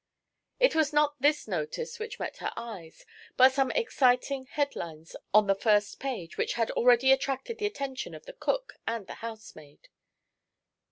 It was not this notice which met her eyes, but some exciting head lines on the first page which had already attracted the attention of the cook and the housemaid.